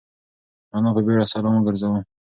انا په بيړه سلام وگرځاوه.